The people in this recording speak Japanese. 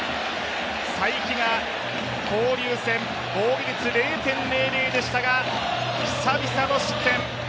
才木が交流戦、防御率０．００でしたが久々の失点。